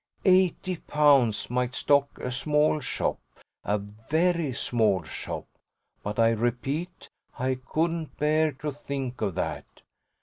Eighty pounds might stock a small shop a VERY small shop; but, I repeat, I couldn't bear to think of that.